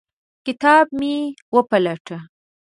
کتاب مې بیا وپلټه.